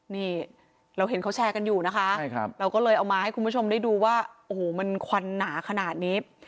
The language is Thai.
นี่เราเห็นเขาแชร์กันอยู่นะคะเราก็เลยเอามาให้คุณผู้ชมได้ดูว่าโอ้โหมันควันหนาขนาดนี้